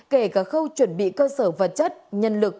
kể cả khâu chuẩn bị cơ sở vật chất nhân lực